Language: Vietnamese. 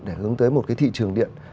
để hướng tới một cái thị trường điện